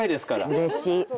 うれしい。